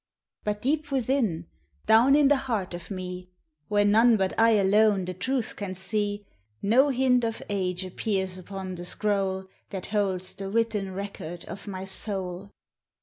But deep within, down in the heart of me, Where none but I alone the truth can see, No hint of Age appears upon the scroll That holds the written record of my soul.